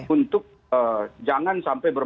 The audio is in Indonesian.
untuk jangan sampai bermaksud